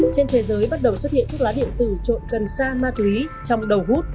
trên thế giới bắt đầu xuất hiện thuốc lá điện tử trộn cần sa ma túy trong đầu hút